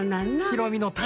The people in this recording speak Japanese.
白身の鯛。